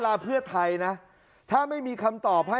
การเงินมันมีฝ่ายฮะ